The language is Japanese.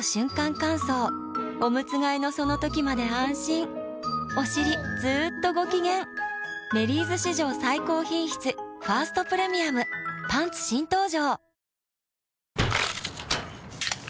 乾燥おむつ替えのその時まで安心おしりずっとご機嫌「メリーズ」史上最高品質「ファーストプレミアム」パンツ新登場！